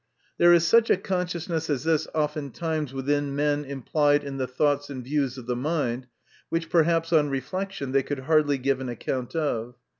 There is such a consciousness as this oftentimes within men, implied in the thoughts and views of the mind, which perhaps on reflection they could hardly give an account of.